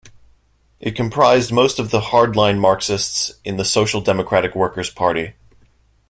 It comprised most of the hardline Marxists in the Social Democratic Workers' Party.